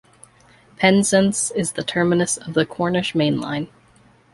Penzance is the terminus of the Cornish Main Line.